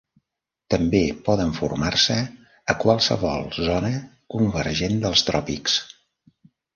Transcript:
També poden formar-se a qualsevol zona convergent dels tròpics.